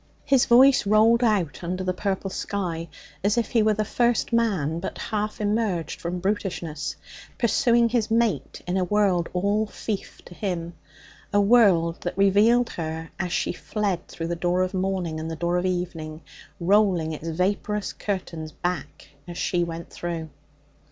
His voice rolled out under the purple sky as if he were the first man, but half emerged from brutishness, pursuing his mate in a world all fief to him, a world that revealed her as she fled through the door of morning and the door of evening, rolling its vaporous curtains back as she went through.